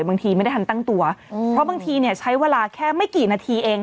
บางทีไม่ได้ทันตั้งตัวเพราะบางทีเนี่ยใช้เวลาแค่ไม่กี่นาทีเอง